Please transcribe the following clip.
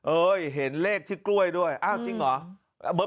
เอ้ยเห็นเลขที่กล้วยด้วยจริงเหรอ